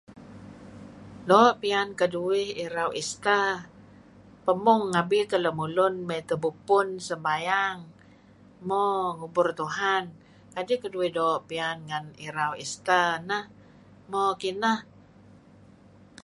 Doo' piyan keduih ngan irau Easter , pemung ngabi teh lemulun mey tebubpun, sembayang, mo, ngubur Tuhan, kadi' keduih doo' piyan ngen Irau Easter neh. Mo kineh.